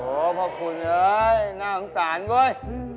โอ้โฮขอบคุณเลยน่าอังสารเว้ย